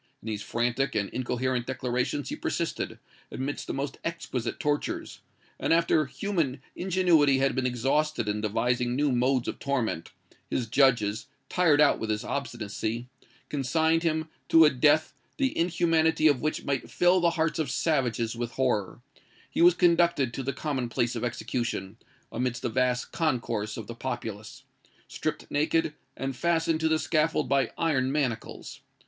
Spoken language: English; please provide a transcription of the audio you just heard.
In these frantic and incoherent declarations he persisted, amidst the most exquisite tortures; and after human ingenuity had been exhausted in devising new modes of torment, his judges, tired out with his obstinacy, consigned him to a death, the inhumanity of which might fill the hearts of savages with horror: he was conducted to the common place of execution, amidst a vast concourse of the populace; stripped naked, and fastened to the scaffold by iron manacles.